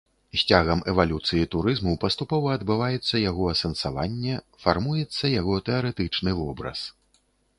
З цягам эвалюцыі турызму паступова адбываецца яго асэнсаванне, фармуецца яго тэарэтычны вобраз.